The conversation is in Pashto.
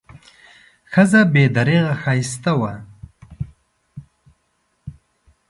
ښځه بې درېغه ښایسته وه.